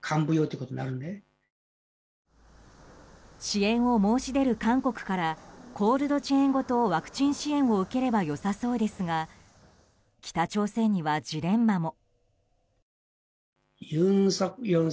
支援を申し出る韓国からコールドチェーンごとワクチン支援を受ければ良さそうですが北朝鮮にはジレンマも。